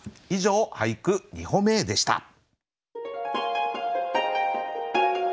以上「俳句、二歩目へ」でした。